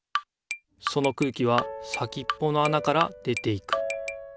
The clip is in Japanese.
その空気は先っぽのあなから出ていく。